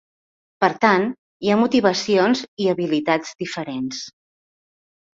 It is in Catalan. Per tant, hi ha motivacions i habilitats diferents.